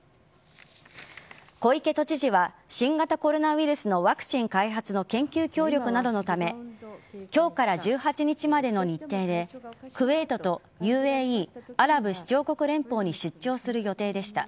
小池都知事は新型コロナウイルスのワクチン開発の研究協力などのため今日から１８日までの日程でクウェートとＵＡＥ＝アラブ首長国連邦に出張する予定でした。